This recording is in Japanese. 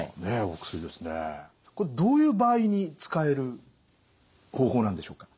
これどういう場合に使える方法なんでしょうか？